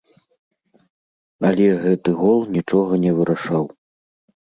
Але гэты гол нічога не вырашаў.